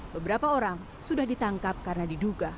beberapa orang sudah ditangkap karena diduga